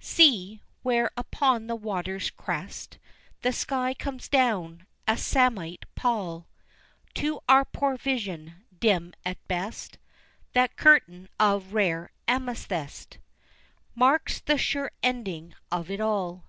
See, where upon the water's crest The sky comes down, a samite pall, To our poor vision, dim at best That curtain of rare amethyst Marks the sure ending of it all.